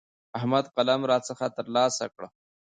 احمد قلم راڅخه تر لاسه کړ.